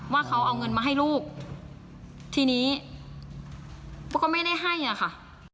ว่าเขาเอาเงินมาให้ลูกทีนี้ปุ๊กก็ไม่ได้ให้อะค่ะ